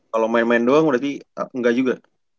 kalau main main doang berarti enggak juga